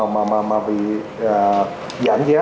mà bị giảm giá